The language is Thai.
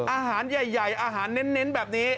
อาหารใหญ่อาหารเน้นแบบนี้